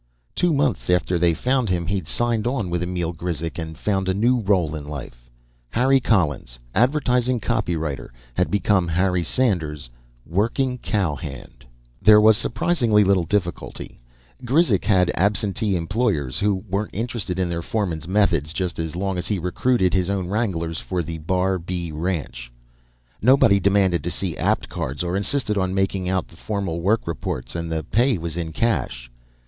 Two months after they found him, he'd signed on with Emil Grizek and found a new role in life. Harry Collins, advertising copywriter, had become Harry Sanders, working cowhand. There was surprisingly little difficulty. Grizek had absentee employers who weren't interested in their foreman's methods, just as long as he recruited his own wranglers for the Bar B Ranch. Nobody demanded to see Apt cards or insisted on making out formal work reports, and the pay was in cash.